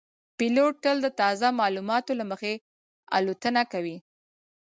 پیلوټ تل د تازه معلوماتو له مخې الوتنه کوي.